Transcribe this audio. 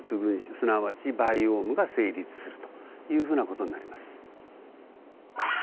すなわちバイオームが成立するというふうな事になります。